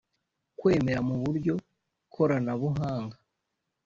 Kwemera mu buryo koranabuhanga